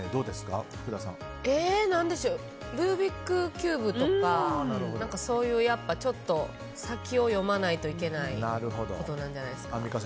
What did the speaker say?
ルービックキューブとかそういう先を読まないといけないことなんじゃないですか。